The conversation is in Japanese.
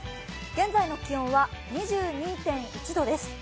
現在の気温は２２．１度です。